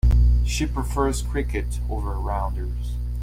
She prefers cricket over rounders.